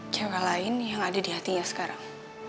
cewek lain yang ada di hatinya sekarang